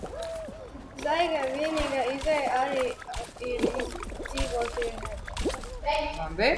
Zaigai vienīgā izeja arī ir dzīvot pie Herberta.